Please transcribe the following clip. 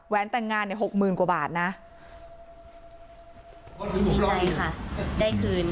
แต่งงานเนี่ยหกหมื่นกว่าบาทนะดีใจค่ะได้คืน